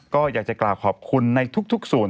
ก็อยากจะกล่าวขอบคุณในทุกส่วน